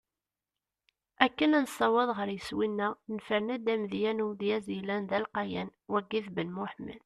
Akken ad nessaweḍ ɣer yiswi-neɣ, nefren-d amedya n umedyaz yellan d alqayan: Wagi d Ben Muḥemmed.